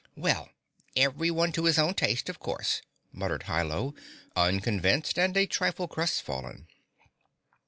"Well, everyone to his own taste, of course," muttered Hi Lo, unconvinced and a trifle crestfallen.